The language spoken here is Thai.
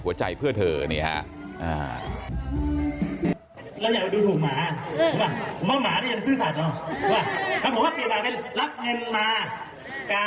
อ่านเสร็จแล้วหลบนะคะ